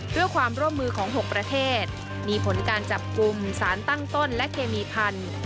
ด้วยความร่วมมือของ๖ประเทศมีผลการจับกลุ่มสารตั้งต้นและเคมีพันธุ์